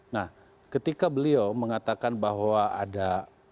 nah ketika beliau mengatakan bahwa ada